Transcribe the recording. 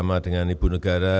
dan delegasi terbatas